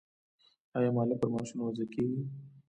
آیا مالیه پر معاشونو وضع کیږي؟